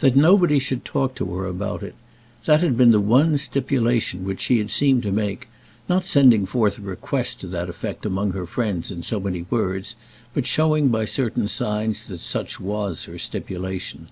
That nobody should talk to her about it, that had been the one stipulation which she had seemed to make, not sending forth a request to that effect among her friends in so many words, but showing by certain signs that such was her stipulation.